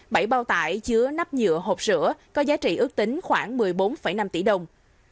bảy bao tải chứa nắp nhựa hộp sữa có giá trị ước tính khoảng một mươi bốn năm tỷ đồng